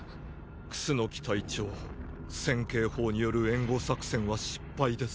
楠隊長千景砲による援護作戦は失敗です。